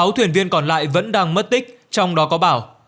sáu thuyền viên còn lại vẫn đang mất tích trong đó có bảo